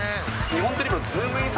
日本テレビのズームイン！！